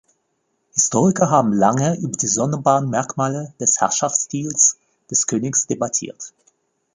Historiker haben lange über die sonderbaren Merkmale des Herrschaftsstils des Königs debattiert.